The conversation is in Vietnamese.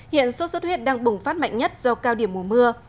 hiện sốt xuất huyết đang bùng phát mạnh nhất do cao điểm mùa mưa